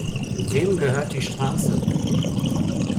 Wem gehört die Straße?